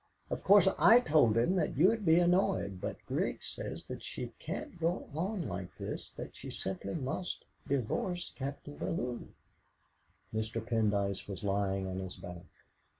Of course, I told him that you'd be annoyed, but Grig says that she can't go on like this, that she simply must divorce Captain Bellew." Mr. Pendyce was lying on his back.